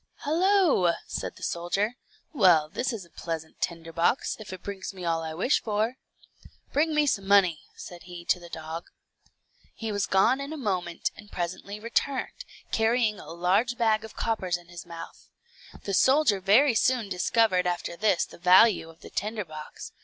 "Hallo," said the soldier; "well this is a pleasant tinderbox, if it brings me all I wish for." "Bring me some money," said he to the dog. He was gone in a moment, and presently returned, carrying a large bag of coppers in his month. The soldier very soon discovered after this the value of the tinder box.